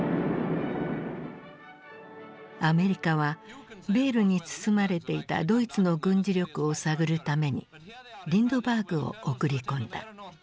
アメリカはベールに包まれていたドイツの軍事力を探るためにリンドバーグを送り込んだ。